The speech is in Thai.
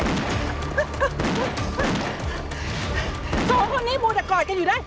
โทษว่าพวกนี้มึงจะกล่อยกันอยู่ได้